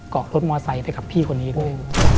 เกาะรถมอเตอร์ไซต์ไปกับพี่คนนี้ด้วย